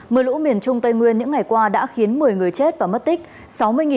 mưa lũ miền trung tây nguyên những ngày qua đã khiến một mươi người chết và mất tích